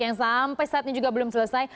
yang sampai saat ini juga belum selesai